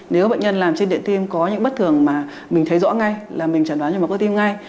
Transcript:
nếu bệnh nhân làm trên điện tim có những bất thường mà mình thấy rõ ngay là mình chẩn đoán nhồi máu cơ tim ngay